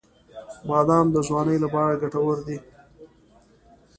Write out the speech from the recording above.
• بادام د ځوانۍ لپاره ګټور دی.